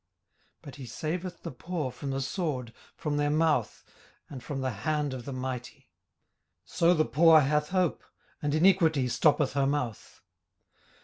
18:005:015 But he saveth the poor from the sword, from their mouth, and from the hand of the mighty. 18:005:016 So the poor hath hope, and iniquity stoppeth her mouth.